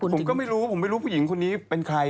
ผมก็ไม่รู้ผมไม่รู้ผู้หญิงคนนี้เป็นใคร